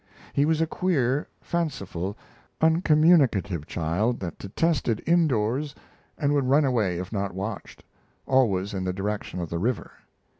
He was a queer, fanciful, uncommunicative child that detested indoors and would run away if not watched always in the direction of the river.